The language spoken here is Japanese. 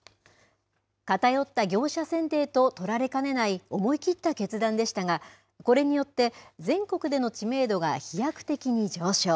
偏った業者選定と取られかねない思い切った決断でしたが、これによって、全国での知名度が飛躍的に上昇。